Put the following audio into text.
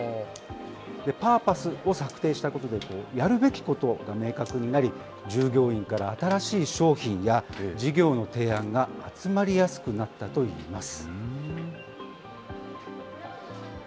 パーパスを策定したことで、やるべきことが明確になり、従業員から新しい商品や事業の提案が集まりやすくなったといいます。